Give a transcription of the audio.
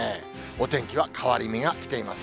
お天気は変わり目が来ています。